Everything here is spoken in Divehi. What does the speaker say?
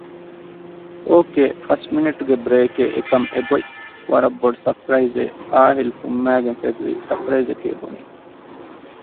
އޯކޭ ފަސް މިނެޓުގެ ބްރޭކެއް އެކަމް އެބޮތް ވަރަށް ބޮޑު ސަޕްރައިޒެއް އާހިލް ފުންމައިގެން ތެދުވީ ސަޕްރައިޒެކޭ ބުނީމަ